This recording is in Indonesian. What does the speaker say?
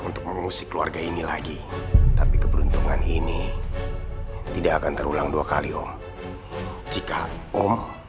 untuk mengusik keluarga ini lagi tapi keberuntungan ini tidak akan terulang dua kali om jika om